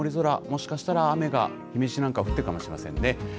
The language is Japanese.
もしかしたら雨が、姫路なんか降ってるかもしれませんね。